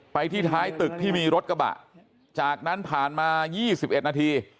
ไปที่ท้ายตึกที่มีรถกระบะจากนั้นผ่านมา๒๑นาที